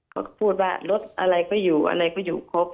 ก็พูดว่ารถอะไรก็อยู่อะไรก็อยู่ครบ